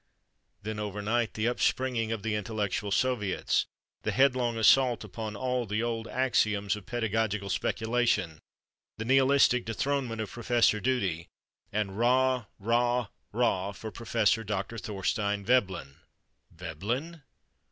Then, overnight, the upspringing of the intellectual soviets, the headlong assault upon all the old axioms of pedagogical speculation, the nihilistic dethronement of Prof. Dewey—and rah, rah, rah for Prof. Dr. Thorstein Veblen! Veblen?